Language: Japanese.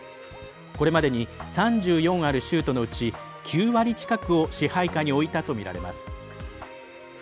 これまでに３４ある州都のうち９割近くを支配下に置いたとみられます。